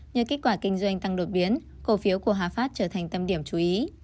nhờ kết quả kinh doanh tăng đột biến cổ phiếu của hà phát trở thành tâm điểm chú ý